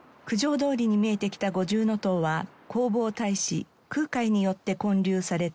通に見えてきた五重塔は弘法大師空海によって建立された東寺です。